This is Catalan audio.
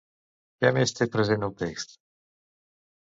Què més té present el text?